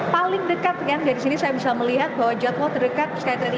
paling dekat kan dari sini saya bisa melihat bahwa jadwal terdekat terkait dengan ini